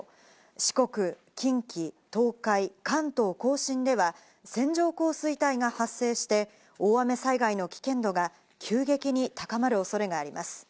四国、近畿、東海、関東甲信では線状降水帯が発生して大雨災害の危険度が急激に高まる恐れがあります。